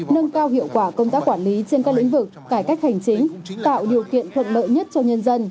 nâng cao hiệu quả công tác quản lý trên các lĩnh vực cải cách hành chính tạo điều kiện thuận lợi nhất cho nhân dân